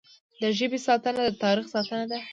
د ژبې ساتنه د تاریخ ساتنه ده.